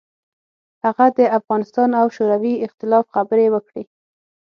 هغه د افغانستان او شوروي اختلاف خبرې وکړې.